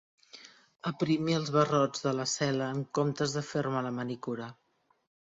Aprimi els barrots de la cel·la en comptes de fer-me la manicura.